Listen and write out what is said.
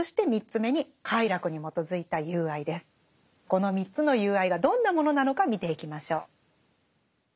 この３つの友愛がどんなものなのか見ていきましょう。